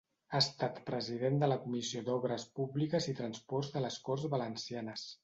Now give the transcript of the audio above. Ha estat president de la Comissió d'Obres Públiques i Transports de les Corts Valencianes.